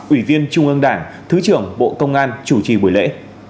ủy viên trung ương đảng thứ trưởng bộ công an chủ trì buổi lễ